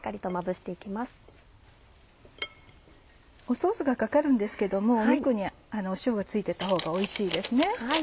ソースがかかるんですけども肉に塩が付いていたほうがおいしいですね。